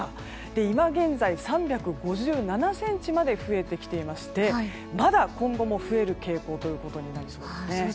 今現在、３５７ｃｍまで増えてきていましてまだ、今後も増える傾向となりそうです。